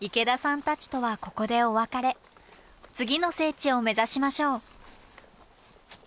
次の聖地を目指しましょう。